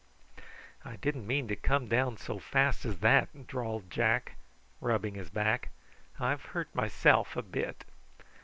"I didn't mean to come down so fast as that," drawled Jack, rubbing his back. "I've hurt myself a bit."